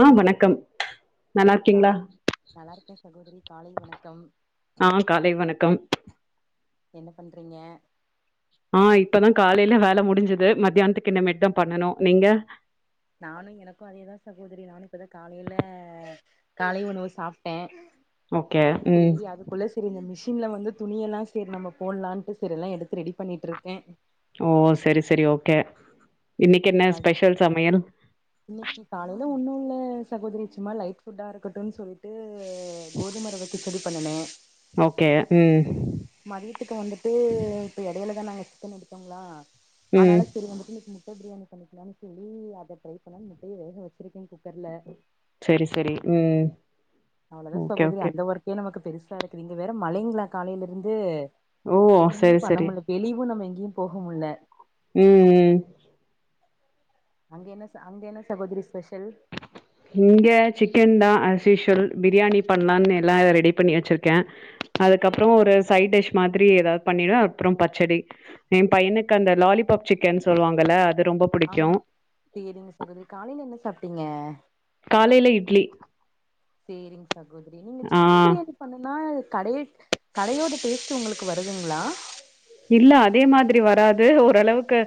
உம் வணக்கம் நல்லா இருக்கீங்களா காலை நல்லா இருக்கே சகோதரி காலை வணக்கம் ஆ காலை வணக்கம் என்ன பண்றீங்க ஆஹ் இப்பதான் காலைல வேல முடிஞ்சது மத்தியானதுக்கு இன்னமேட்டு் தான் பண்ணனும் நீங்க. நானும் எனக்கும் அதேதான் சகோதரி நானும் இப்பதான் காலையில காலை உணவு சாப்பிட்டே ஓகே ம் செரி அதுக்குள்ள செரி இந்த மிஷி ஷின்ல வந்து துணிய எல்லா செரி நம்ம போடலாம்ட்டு செரி எல்லா எடுத்து ரெடி பண்ணிட்டு இருக்கேன் ஓ செரி செரி ஓகே இன்னைக்கு என்ன ஸ்பெஷல் சமையல் அச் இன்னைக்கு காலையில ஒன்னு இல்ல சகோதரி சும்மா லைட் ஃபுட்டா இருக்கட்டும்னு சொல்லிட்டு இது கோதுமை ரவ கிச்சடி பண்ணுனேன் ஓகே உம் மதியத்துக்கு வந்துட்டு இப்ப எடையிலதான் நாங்க சிக்கன் எடுத்தோங்களா ம் ஆனால செரி வந்துட்டு இன்னைக்கு முட் முட்ட பிரியாணி பண்ணிக்கலனு சொல்லி அத ட்ரை பண்ண முட்டைய வேக வச்சிருக்கேன் குக்கர்ல செரி செரி உம் அவ்ளோ தான் சகோதிரி அந்த ஒர்க்கே நமக்கு பெருசா இருக்குது இங்கே வேற மழங்களா காலையிலேருந்து ஓ ஒண்ணுமே செரி பண்ண செரி முடியில வெளியும் நம்ம எங்க யும் போகமுடில உம் உம் அங்கென்ன அங்கென்ன சகோதரி ஸ்பெஷல் இங்க சிக்கன் தான் அஸ்யூஸ்வல் பிரியாணி பண்ணலன்னு எல்லாம் ரெடி பண்ணி வச்சிருக்கேன் அதுக்கப்புறம் ஒரு சைட் டிஷ் மாதிரி ஏதாது பண்ணிடும் அதுப்புறம் பச்சடி என் பையனுக்கு அந்த லாலிபாப் சிக்கன்னு சொல்லுவாங்கல்ல அது ரொம்ப புடிக்கு ஆமா செரிங்க சகோதரி காலையில என்ன சாப்டீங்க காலையில இட்லி செரிங் சகோதிரி நீங்க சிக்கன் ஆ பிரியாணி பண்ணுன கடைய் கடையோட பேஸ்ட் உங்களுக்கு வருதுங்களா இல்ல அதே மா திரி வராது ஓரளவுக்கு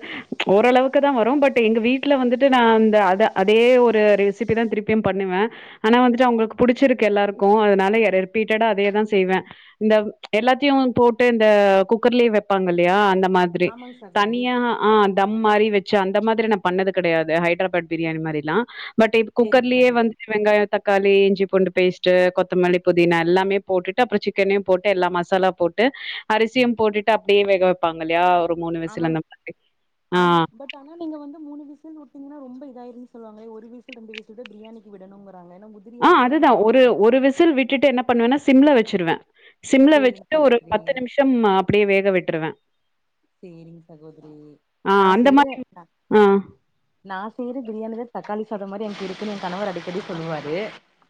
ஓரளவுக்கு தான் வரும் பட் எங்க வீட்டுல வந்துட்டு நான் இந்த அத அதே ஒரு ரெசிபி தான் திருப்பியும் பண்ணுவேன் ஆனா வந்துட்டு அவங்களுக்கு புடிச்சிருக்கு எல்லாருக்கும் அதனால ரிப்பீட்டடா அதே தான் செய்வேன் இந்த எல்லாத்தையும் போட்டு இந்த குக்கர்லயே வைப் பாங்க இல்லையா அந்த மாதிரி ஆமாங்க சகோதரி தனியா ஆஹ் தம் மாரி வச்சு அந்த மாதிரி நான் பண்ணது கிடையாது ஹைதராபாத் பிரியாணி மாரிலாம் பட் இப்ப சேரிங்க குக்கர்லேயே சகோதரி வந்துட்டு வெங்காயம் தக்காளி இஞ்சி பூண்டு பேஸ்ட் கொத்தமல்லி புதினா எல்லாமே போட்டுட்டு அப்புறம் சிக்கனையும் போட்டு எல்லா மசாலா போட்டு அரிசியும் போட்டு ட்டு அப்டியே வேக வைப்பாங்க இல்லையா ஆமாங் அந்த மா ஆ, ஆமா பட் ஆனா நீங்க வந்து மூணு விசிலு விட்டீங்கன்னா ரொம்ப இதாயிரும் சொல்லுவாங்களே ஒரு வீசில் ரெண்டு வீசில் பிரியாணிக்கு விடனும் வா ஆஹ் அதுதான் ஒரு ஒரு விசில் விட்டுட்டு என்ன பண்ணுவேன்னா சிம்ல வச்சிருவேன் சிம்ல சேரிங்க வச்சுட்டு ஒரு சகோதரி பத்து நிமிஷம் அப்டியே வேக விட்ருவேன் சேரிங் சகோதிரி ஆ நான் அந்த செய்ற மாரி ஆ நான் செய்ற பிரியானிலா தக்காளி சாதம் மாரி எனக்கு இருக்குன்னு என் கணவர் அடிக்கடி சொல்லுவாரு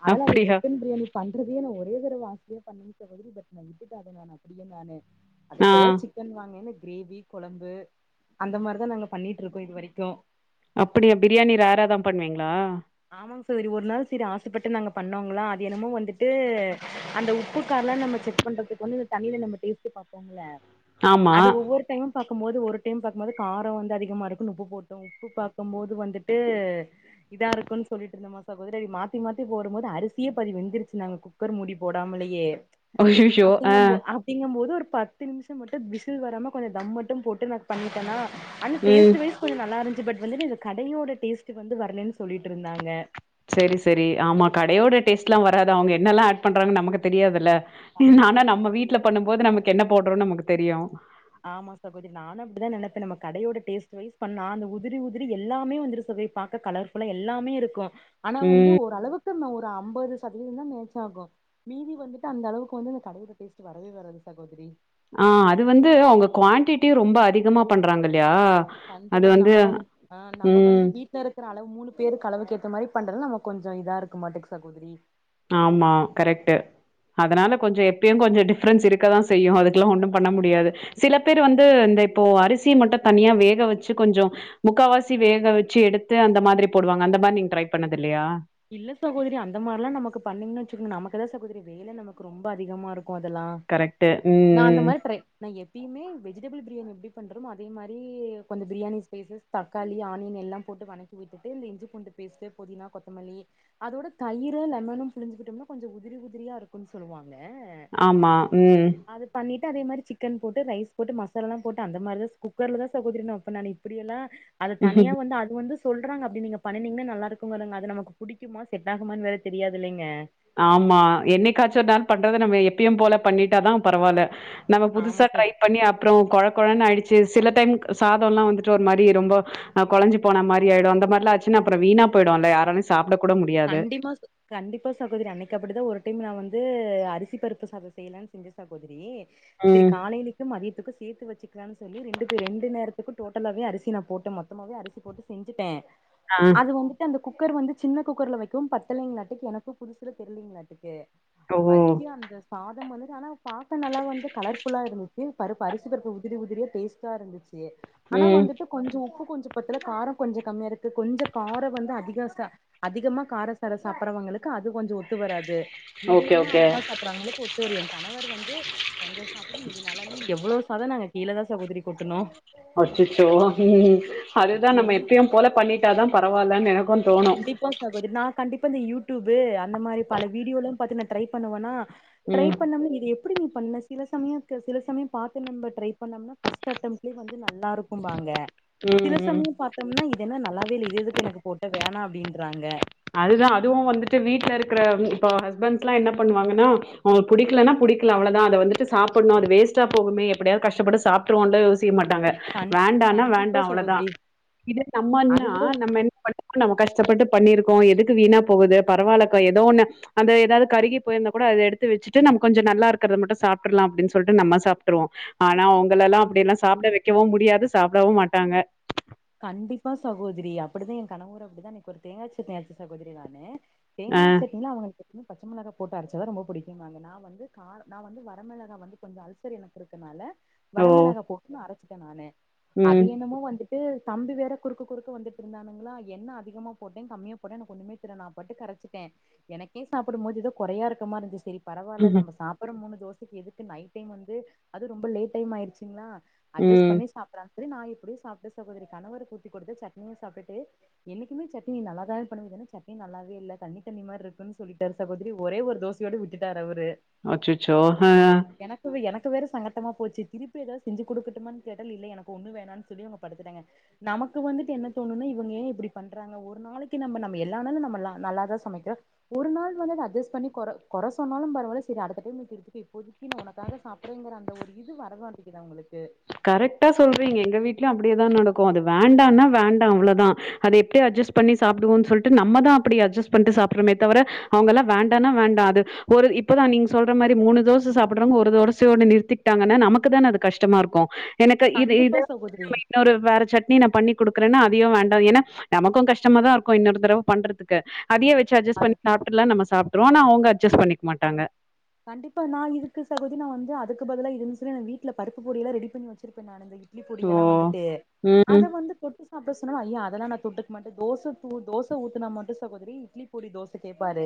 அதல அந்த அப்டியா? சிக்கன் பிரியாணி பண்றதே நா நெறைய பேர் [inaudible] பட் நா விட்டுட்டேன் அத நானு அப்டியே நானு அது ஆ இப்பதான் சிக்கன் வாங்கின்னு க்ரேவி கொளம்பு அந்த மார்தான் நாங்க பண்ணிட்டிருக்கோம் இது வரைக்கும் அப்டியா பிரியாணி ரேரா தான் பண்வீங்ளா ஆமாங்க சகோதரி ஒரு நாள் சரி ஆசைப்பட்டு நாங்க பண்ணோங்களா அது என்னமோ வந்துட்டு அந்த உப்புக்காரலாம் நம்ம செக் பண்றதுக்கு வந்து இந்த தண்ணியில நம்ம டேஸ்ட் பாப்போங்ள ஆமா. அது ஒவ்வொரு டைமும் பாக்கும்போது ஒரு டைம் பாக்கும்போது கார அ வந்து அதிகமா இருக்குனு உப்பு போட்டோம் உப்பு பாக்கும்போது வந்துட்டு இதா இருக் குன்னு சொல்லிட்டு இந்த மாசா [unintelligible] மாத்தி மாத்தி போடும்போது அரிசியே பாதி வெந்துருச்சு நாங்க குக்கர் மூடி போடாமலயே அய்யய்யோ! ஆ, அப்டிங்க போ அப்டிங்கபோது ஒரு பத்து நிமிஷம் மட்டும் விசில் வராம கொஞ்சம் தம் மட்டும் போட்டு நான் பண்ணிட்டனா ஆனா ம். டேஸ்டு வைஸ் கொஞ்ச நல்லா இரு பட் வந்துட்டு இது கடையோட டேஸ்ட் வந்து வரலேன்னு சொல்லிட் ட்ருந்தாங்க சரி சரி ஆமா கடையோட டேஸ்ட்லாம் வராது அவுங்க என்னெல்லாம் ஆட் பண்றாங்கன்னு நமக்கு தெரியாதுல்ல கண்டிப்பா ஆனா நம்ம சகோதரி வீட்ல பண்ணும் போது நமக்கு என்ன போடுறோம்ன்னு நமக்கு தெரியும் ஆமா சகோதரி நானு அப்டிதா நெனப்ப நம்ம கடையோட டேஸ்ட் வைஸ் பண்ண அந்த உதிரி உதிரி எல்லாமே வந்துரு [unintelligible] பாக்க கலர்ஃபுல்லா எல்லாமே இருக்கும் ஆனா ம். வந்து ஓரளவுக் க்கு ஒரு அம்பது சதவீதம் தான் மேட்ச் ஆகும் மீதி வந்துட்டு அந்த அளவுக்கு வந்து இந்த கடையோட டேஸ்ட் வரவே வராது சகோதரி ஆஹ் அது வந்து அவுங்க குவான்டிட்டி ரொம்ப அதிகமா பண்றாங்க இல்லையா அது கண்டிப்பா வந்து நம்ப வந் ஆஹ் நம்ப ம் வந்து வீட்ல இருக்குற அளவு மூணு பேருக்கு அளவுக்கு ஏத்த மாரி பண்றது நமுக்கு கொஞ்சோ இதா இருக்கு மாட்டேகு சகோதரி ஆமா கரெக்ட்டு அதனால கொஞ்சோ எப்பயு கொஞ்சோ டிஃப்ரன்ஸ் இருக்கதா செய்யு அதுக்லா ஒண்ணும் பண்ண முடியாது சில பேரு வந்து இந்த இப்போ அரிசி மட்டு தனியா வேக வச்சு கொஞ்சோ முக்காவாசி வேக வெச்சு எடுத்து அந்த மாதிரி போடுவாங்க அந்த மாரி நீங்க ட்ரை பண்ணது இல்லையா இல்ல சகோதரி அந்த மார்ல்லா நமக்கு பண்ணீங்கன்னு வச்சுக்கோங்க நமக்குதா சகோதரி வேல நமக்கு ரொம்ப அதிகமா இருக் கோ அதெல்லா கரெக்ட்டு ம் நா அந்த ம் மாரி ட்ரை நா எப்யுமே வெஜிடபிள் பிரியாணி எப்டி பண்றோமோ அதே அதே மாரி கொஞ்சோ பிரியாணி ஸ்பைஸஸ் தக்காளி ஆனியன் எல்லா போட்டு வணக்கி விட்டுட்டு இந்த இஞ்சி பூண்டு பேஸ்டு புதினா கொத் த்தமல்லி அதோட தயிரு லெமனு புழிஞ்கிட்டோம்னா கொஞ்ச உதிரி உதிரியா இருக்கும்ன்னு சொலுவாங்க ஆமா உம் டு அதே மாரி சிக்கன் போட்டு ரைஸ் போட்டு மசாலாலா போட்டு அந்த மாரிதா ச குக்கர்ல தா சகோதரி நா நானு இப்பிடியெல்லா அது ம் தனியா வந்து அது வந்து சொல்றாங்க அப்டி நீங்க பண்ணீங்கனா நல்லா இருக்குங்கறனால அது நம்ம புடிக்குமா செட் ஆாகுமான்னு வேற தெரியாதில்லைங்க ஆமா என்னைக்காச்சு ஒரு நாள் பண்றத நம்ம எப்பயும் போல பண்ணிட்டாதா பரவால்ல நம்ம புதுசா ஆமா சகோ ட்ரை பண்ணி அப்ரோ கொழ கொழன்னு ஆயிடுச்சு சில டைம் சாதோலா வந்துட்டு ஒரு மாரி ரொம்ப கொலைஞ்சு போன மாரி ஆயிடு அந்த மாரிலா ஆச்சுனா வீணா போயிடும்ல யாராலும் சாப்பிட கூட முடியாது. கண்டிப்பா ச கண்டிப்பா சகோதரி அன்னைக்கு கு அப்டிதா ஒரு டைம் நா வந்து அரிசி பருப்பு சாதம் செய்யலான்னு செஞ்ச சகோதரி சரி ம். காலைையிலக்கும் மதியத்துக்கும் சேத்து வச்சுக்கலான்னு சொல்லி ரெண்டு பே ரெண்டு நேரத் துக்கு டோட்டலாவே அரிச நா போட்டு மொத்தமாவே அரிசி போட்டு செஞ்சுட்ட ஆ. அது வந்துட்டு அந்த குக்கர் வந்து சின்ன குக்கர்ல வைக்கவு பத்தளைங்கலாட்டிக்கு எனக்கும் புதுசுல தெருலிங்கலாட்டுக்கு ஓ! வச்சு அந்த சாதமனு ஆனா பாக்க நல்லா வந்து கலர்ஃபுல்லா இருந்துச்சு பருப்பு அரிசி பருப்பு உதிரி உதிரியா டேஸ்ட்டா இருந்துச்சு ச்சு ஆனா ம். வந்துட்டு கொஞ்சோ உப்பு கொஞ்சோ பத்துல காரோ கொஞ்சோ கம்மியா இருக்கு கொஞ்சோ காரோ வந்து அதிகாசா அதிகமா காரோ சாரோ சாப்பிட்றவங்களுக்கு அது கொஞ்சோ ஒத்து வராது ஓகே, மீடியமா ஓகே. அளவா சாப்பிட்றவுங்களுக்கு ஒத்து வரும் என் கணவர் வந்து கொஞ்சோ சாப்பிட்டு மீதி நல்லா இல்லனு எவ்ளவு சாதம் நாங்க கீழதா சகோதரி கொட்டுணோ அச்சச்சோ ம் அதுதா என்ன நம்ம எப்பயு போல பண்ணிட்டாதா ப பரவாலனு எனக் கண்டிப்பா சகோதரி நா கண்டிப் ப்ப இந்த யூ டியூப்பு அந்த மாரி பல வீடியோலாம் பாத்து நா ட்ரை பண்ணுவேனா ட்ரை ம். பண்ணாம இது எப்டி நீ பண்ண சில சமய ச சில சமய பாத்து நம்ம ட்ரை பண்ணம்னா ஃபர்ஸ்ட் அட்டம்ப்ட்லயே வந்து நல்லா இருக்கும்பாங்க ம், சில ம். சமயம் பாத்தோம்னா இது என்ன நல்லாவே இல்லை இது எதுக்கு எனக்கு போட் வேணா அப்படின்றாங்க அதுதான் அதுவு வந்துட்டு வீட்ல இருக்குற இப்ப ஹஸ்பண்ட்ஸ்லா என்ன பண்ணுவாங்கன்னா அவுங்களுக்கு புடிக்கலன்னா புடிக்கல அவ்ளதா அத வந்துட்டு சாப்புடணு அது வேஸ்டா போகுமே எப்படியாவது கஷ்டப்பட்டு சாப்ட்றுவோன்லா யோசிக்க மாட் டாங்க கண் வேண்டானா கண்டிப்பா வேண்டா அவ்ளதா சகோதரி இதே அத நம்மன்னா விட நம்ம என்ன பண்ணுவோ நம்ம கஷ்டப்பட்டு பண்ணிருக் கோ எதுக்கு வீணா போகுது பரவால்லா பா ஏதோ ஒன்னு அந்த எதாவது கருகி போயிருந்தா கூட அத எடுத்து வச்சுட்டு நம்ம கொஞ்ச நல்லா இருக்குறத மட்டு சாப்ட்ரலாம் அப்படின்னு சொல்லிட்டு நம்ம சாப்ட்ருவோ ஆனா ஆ அவுங்கலெல்லாம் அப்டில்லா சாப்பிட வைக் வைக்கவும் முடியாது சாப்டவும் மாட்டாங்க கண்டிப்பா சகோதரி அப்படிதான் என் கணவரும் அப்டிதான் அன்னைக்கு ஒரு தேங்கா சட்னி அரச்சே சகோதரி நானு ஆ தேங்கா சட்னிலா அவங்ளுக்கு இன்னும் பச்ச மிளகா போட்டு அரைச்சா தா ரொம்ப பிடிக்கும்பாங்க நா வந்து கார நா வந்து வரமிளகா வந்து கொஞ்சம் அல்சர் எனக்கு இருக்கனால ஓ வரமெளகா போட்டு நா அரைச் சிட்ட நானு அது ம் என்னமோ வந்து ட்டு தம்பி வேற குறுக்க குறுக்க வந்துட்டு இருந்தானுங்களா என்ன அதிகமா போட்டே கம்மிய போட்டே எனக்கு ஒண்ணுமே தெர்ல நாம் பாட்டுக்கு அரச்சிட்டே எனக்கே சாப்பிடும் போது எதோ கொறயா இருக்க மாரி இருந்ச்சு சரி பரவால்ல நாம சாப்படற மூணு தோச எதுக்கு நைட் டைம் வந்து அது ரொம்ப லேட் டைம் ஆயிடுச்சுங்களா அட்ஜஸ் ம் பண்ணி சாப்புடறா சரி நா எப்புடியோ சாப்ட் சகோதரி கணவருக்கு ஊத்தி குடுத்து சட்னியு சாப்புட்டு என்னிக்குமே சட்னி நல்லா தானே பண்ணுவ இது என்ன சட்னி நல்லாவே இல்ல தண்ணி தண்ணி மார் இருக்குனு சொல்லிட்டாரு சகோதரி ஒரே ஒரு தோசையோட விட்டுட்டாரு அவரு அச்சச்சோ ஹ எனக்கு எனக்கு வேற சங்கட்டமா போச்சு திருப்பி ஏதாவது செஞ்சு குடுக்கட்டுமா கேட்டால் இல்ல எனக்கு ஒண்ணு வேணான்னு சொல்லி அவு படுத்துட்டாங்க நமக்கு வந்துட்டு என்ன தோணுனா இவுங்க ஏ இப்படி பண்றாங்க ஒரு நாளைக்கு நம்ம நம்ம எல்லா நாளு நம்ம ல நல்லா தா சமைக்கறோ ஒரு நாள் வந்து அத அஜஸ் பண்ணி கொற கொறை சொன்னாலும் பரவால்ல சரி அடுத்த டைம் இப்படி இருக்குது இப்போதைக்கு நா உனக்காக சாப்படறேங்கற அந்த ஒரு இது வரமாட்டேங்குது அவுங்களுக்கு கரெக்டா சொல்றீங்க எங்க வீட்லயு அப்படியேதா நடக்கு அது வேண்டான்னா வேண்டா அவ்ளோதா அது எப்படி அட்ஜஸ்ட் பண்ணி சாப்டுவோன் சொல்ட்டு நம்ம தா அப்பிடி அட்ஜஸ்ட் பண்ணிட்டு சாப்பிடறமே தவர அவங்க எல்லா வேண்டானா வேண்டா அது ஒரு இப்பதா நீங்க சொல்ற மாரி மூணு தோச சாப்புடறவங்க ஒரு தோசையோட நிறுத்திக்கிட்டாங்கன்னா நமக்கு தான அது கஷ்டமா இருக்கு எனக்கு இது இத கண்டிப்பா சகோதரி நம்ம இன்னொரு வேற சட் னி நா பண்ணி குடுக்குறேன்னா அதையு வேண்டா ஏன்னா நமக்கு கஷ்டமா தா இருக்கு இன்னொரு தடவ பண்றதுக்கு அதயே வச்சு அட்ஜஸ் அது பண்ணி சாப்ட்ருலான் நம்ம சாப் ஆனா அவுங்க அட்ஜஸ் பண்ணிக்க மாட்டாங்க கண்டிப்பா நா இதுக்கு சகோதி நா வந்து அதுக்கு பதிலா இருந்துச்னா நா வீட்ல பருப்பு பொடி எல்லா ரெடி பண்ணி வச்சிருப்பே நானு இட்லி பொடி ஓ எல்லா வந்துட்டு ம் அத வந்து கொட்டு அப்ப சொன்னாலு ஐயா அதெல்லா நா தொட்டுக்க மாட்ட தோச உ தோச ஊத்துனா மட்டு சகோதரி இட்லி பொடி தோச கேப்பாரு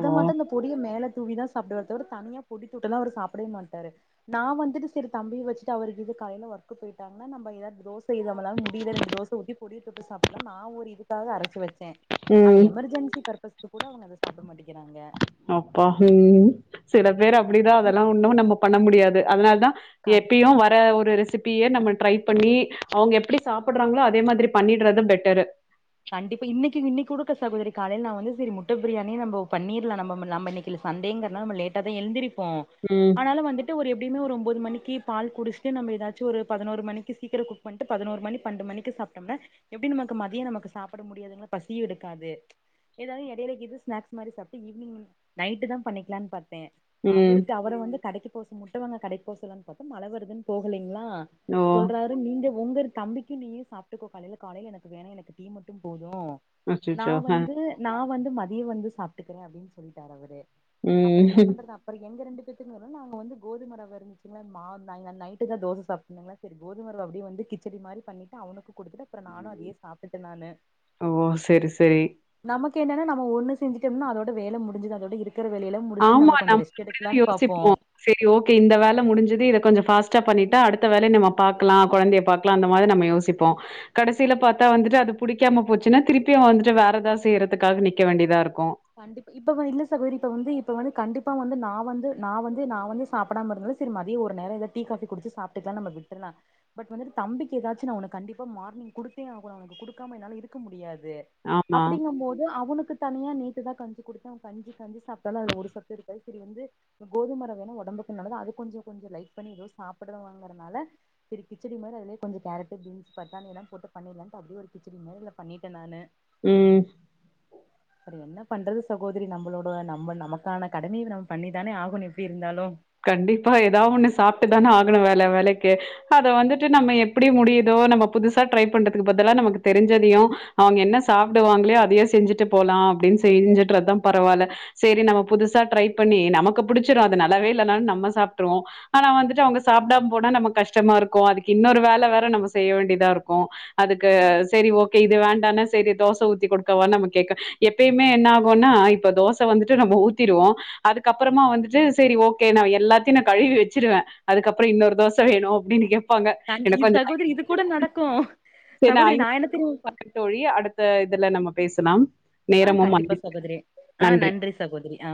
ஓ! மட்டும் இந்த பொடிய மேல தூவிதா ஸ் சாப்பிடுவாரு தவிர தனியா பொடி தொட்டுலா அவரு சாப்பிடவே மாட்டாரு நா வந்துட்டு சரி தம்பிய வச்சுட்டு அவரு இது காலைல ஒர்க்குக்கு போயிட்டாங்னா நம்ம ஏதாது நம்மளால முடியல ரெண்டு தோச ஊத்தி பொடிய தொட்டு சாப்பலா தா ஒரு இதுக்காக அரச்சு வச் சே அந்த ம் எமர்ஜென்சி பர்பஸ் கூட அவங்க அத சாப்ட மாட்டி அப்பா உம் சில பேர் அப்படிதா அதெல்லா இப் ஒன்னும் நம்ம பண்ண முடியாது அதனால தா கண் எப்பயு வர ஒரு ரிஸ் சிபிய நம்ம ட்ரை பண்ணி அவங்க எப்டி சாப்பிடுறாங்களோ அதே மாதிரி பண்ணடுறதும் பெட்டரு கண்டிப்பா இன்னைக்கு இன்னைக்கு கொடுக்க சகோதரி காலையில நா வந்து சரி முட்ட பிரியாணி நம்ம பண்ணிரலா நம்ம நம்ம இன்னைக்கு சண்டேங்கரனால நாம லேட்டா தா எழுந்திரு கு ம் ஆனாலு வந்துட்டு ஒரு எப்டியுமே ஒரு ஒம்பது மணிக் தி பால் குடிச்ட்டு நம ஏதாச்சு ஒரு பதினொரு மணிக்கு சீக்கிரம் குக் பண்ணிட்டு பதினோரு மணி பன்னென்டு மணிக்கு சாப்டம்னா எப்டி நமக்கு மதியம் நமக்கு சாப்பிட முடியாது பசியு எடுக்காது ஏதாவது எடையில இது ஸ்னாக்ஸ் மாரி சாப்டா ஈவினிங் நைட்டு தா பண்ணிக்கலா பாத் ம் அவருக்கு அவர வந்து கடைக்கு போ ச முட்ட வாங்க கடைக் போசலான் பாத்த மழ வருதுன் போகலை ங்களா ஓ சொல்றாரு நீங்க உங்க தம்பிக்கு நீயு சாபட்டுக்கோ காலையில் காலையில் எனக்கு வனா எனக்கு டி மட்டும் போதும் ந அச்சச்சோ அ வந்து நான் வந்து மதியம் வந்து சாப்பிட்டுக்கிறேன் அப்படின்னு சொல்லிட்டார் அவரு அப்புறம் ம் என்ன பண்றது அப்புறம் எங்க ரெண்டு பேர்க்கு [unintelligible] நாங்க வந்து கோதும ரவை இருந்துச்சுங்களா மா நாங்க நைட்டு தான் தோசை சாப்பிட்டுந்தங்கள சரி கோதுமரவ அப்படியே வந்து கிச்சடி மாறி பண்ணிட்டு அவனுக்குடுத்துட்டு அப்புறம் நானும் அதே சாப்ட் இருக்க நானு ஓ சரி சரி என்னனா நம்ம ஒன்னு செஞ்சிட்டம்னா அதோட வேலை முடிஞ்சது அதோடு இருக்கு ஆமா நம்ம அப்படித்தானே பாப்போ யோசிச்சிப்போம் சரி ஓகே இந்த வேலை முடிஞ்சது இதை கொஞ்சம் ஃபாஸ் எக்ஸ்ட்ரா பண்ணிட்டா அடுத்த வேலை நம்ம பாக்லாம் குழந்தையை பாக்லாம் அந்த மாரி நம்ம யோசிப்போம் கடைசில பாத்தா வந்துட்டு அது புடிக்காம போச்சுனா திருப்பி வந்துட்டு வேற ஏதாவது செய்றதுக்காக நிக்க வேண்டியதா இருக்கு கண்டிப்பா இப்போ வா இல்ல சகோதரி இப்போ வந்து இப்போ வந்து கண்டிப்பா வந்து நான் வந்து நான் வந்து நான் வந்து சாப்பிடாம இருந்தாது சரி மதியே ஒரு நேரல டீ காபி குடிச்சு சாப்பிட்டுக்லாம் நம்ம விட்டுலாம் பட் வந்து தம்பிக்கு ஏதாச்சும் நான் அவன கண்டிப்பா மார்னிங் குடுத்தே ஆகணும் அவனக்கு குடுக்காம என்னால இருக்க முடியாது [unintelligible] ஆமா அப்படிங்க போது அவனுக்கு தனியா நீ இப்ப தான் கஞ்சி குடுத்தேன் கஞ்சி கஞ்சி சாப்பிட்டாலும் அதில் ஒரு சத்து இருக்காது சரி வந்து கோதுமரவனா உடம்புக்கு நல்லது அத கொஞ்ச கொஞ்ச லைக் பண்ணி ஏதோ சாப்பிடுவாங்கறனால சரி கிச்சடி மாதிரி அதிலே கொஞ்சம் கேரட்டு பீன்ஸ் பட்டாணிலாம் போட்டு பண்ணிலான்ட்டு அப்படியே கிச்சிடி மாரில பண்ணிட்டேன் நானு ஹ்ம் அப்பற என்ன பண்றது சகோதரி நம்மளோட நம்ம நமக்கான கடமையை நம்ம பண்ணிதானே ஆகணும் எப்படி இருந்தாலும் கண்டிப்பா ஏதாவ ஒண்ணு சாப்பிட்டு தானே ஆகணும் வேலை வேலைக்கு அத வந்துட்டு நம்ம எப்படி முடியுதோ நம்ம புதுசா ட்ரை பண்றதுக்கு பதலா நமக்கு தெரிஞ்சதையும் அவங்க என்ன சாப்பிடுவாங்களே அதையே செஞ்சுட்டு போலாம் அப்படின் செஞ்சுட்டுறதான் பரவாயில்ல சரி நம்ம புதுசா ட்ரை பண்ணி நமக்கு புடிச்சிரும் அது நல்லாவ சில நேரம் நம்ம சாப்ட்றுவோம் ஆனா வந்துட்டு அவங்க சாப்பிடாம போனா நம கஷ்டமா இருக்கு அதுக்கு இன்னொரு வேலை வேற நம்ம செய்ய வேண்டியதா இருக்கு அதுக்கு சரி ஓகே இது வேண்டாம் சரி தோசை ஊத்திகொடுக்கவா நம்ம கேட்க எப்பயுமே என்ன ஆகும்னா இப்ப தோசை வந்துட்டு நம்ம ஊத்திடுவோ அதுக்கப்புறமா வந்துட்டு சரிஓ ஓகே நா எல்லாத்தையு நா கழுவி வெச்சிருவ அதுக்கப்புறோ இன்னொரு தோசை வேணு அப்படின்னு கேப் பாங்க கண்டி எனக்கு இது கொஞ்சோ சகோதரி இது கூட நடக்கு [inaudible] சேரி நா சகோதரி அயன் என்ன தெரிமா [inaudible] தோழி அடுத்த இதுல நம்ம பேசலாம் ஆஹ் நேரமும் கண்டிப்பா ஆயிடுச்சு சகோதிரி ஆஹ் நன்றி சகோதிரி ஆ